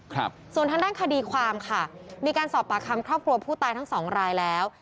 ครับส่วนทางด้านคดีความค่ะมีการสอบปากคำครอบครัวผู้ตายทั้งสองรายแล้ว